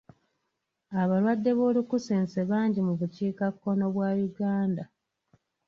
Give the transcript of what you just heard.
Abalwadde b'olunkusense bangi mu bukiikakkono bwa Uganda.